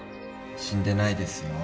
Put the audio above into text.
死んでないですよ。